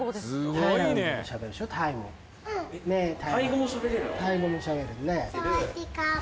タイ語もしゃべれるね。